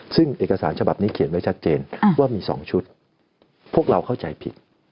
ซึ่งเอกสารฉบับนี้เขียนไว้ชัดเจนว่ามี๒ชุดพวกเราเข้าใจผิด